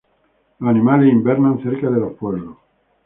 Los animales hibernan cerca de los pueblos.